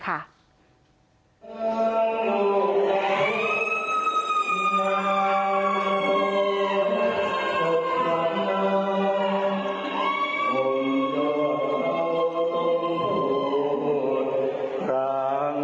บุรันดาทุรดามันสร้าง